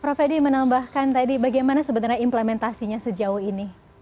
prof edi menambahkan tadi bagaimana sebenarnya implementasinya sejauh ini